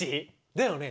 だよね？